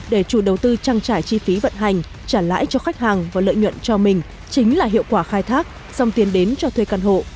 để chủ đầu tư trang trải chi phí vận hành trả lãi cho khách hàng và lợi nhuận cho mình chính là hiệu quả khai thác dòng tiền đến cho thuê căn hộ